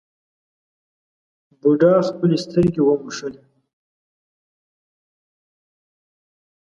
بوډا خپلې سترګې وموښلې.